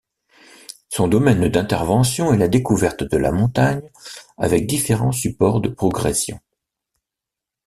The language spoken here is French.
Son domaine d'intervention est la découverte de la montagne avec différents supports de progression.